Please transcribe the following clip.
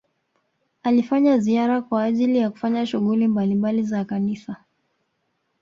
alifanya ziara kwa ajili ya kufanya shughuli mbalimbali za kanisa